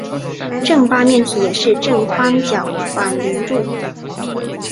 正八面体也是正三角反棱柱。